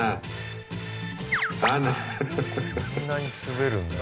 あんなに滑るんだ。